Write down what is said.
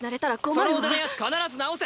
その腕のやつ必ず治せ！